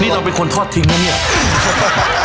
นี่เราเป็นคนทอดทิ้งนะเนี่ย